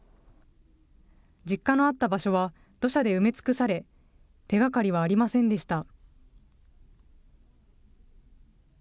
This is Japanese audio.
実家のあった場所は土砂で埋め尽くされ、手がかりはありませんでした。